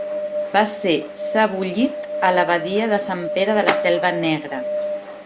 Va ser sebollit a l'Abadia de sant Pere de la Selva Negra.